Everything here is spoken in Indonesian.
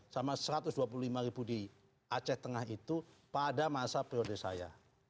sama satu ratus dua puluh lima ribu di aceh tengah itu pada masa periode saya